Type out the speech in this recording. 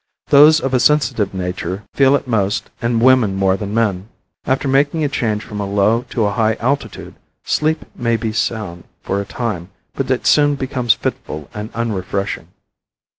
Those of a sensitive nature feel it most and women more than men. After making a change from a low to a high altitude sleep may be sound for a time, but it soon becomes fitful and unrefreshing.